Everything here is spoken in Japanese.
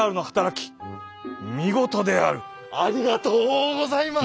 ありがとうございます。